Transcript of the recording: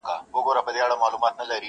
هر اندام یې وو له وېري لړزېدلی.!